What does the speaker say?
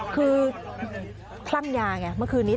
คือคลั่งยาไงเมื่อคืนนี้